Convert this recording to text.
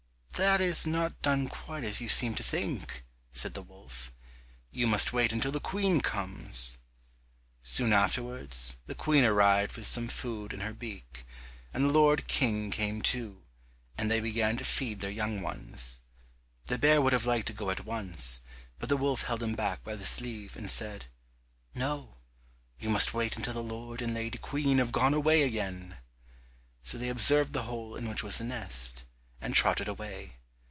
"That is not done quite as you seem to think," said the wolf; "you must wait until the Queen comes." Soon afterwards, the Queen arrived with some food in her beak, and the lord King came too, and they began to feed their young ones. The bear would have liked to go at once, but the wolf held him back by the sleeve, and said, "No, you must wait until the lord and lady Queen have gone away again." So they observed the hole in which was the nest, and trotted away.